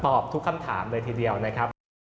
ทุกคำถามเลยทีเดียวนะครับ